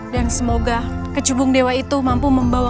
dan semoga kejubung dewa itu mampu membawa